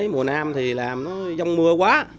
mùa nam thì làm nó dông mưa quá